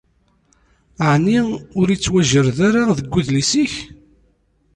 Ɛni ur ittwajerred ara deg udlis-ik?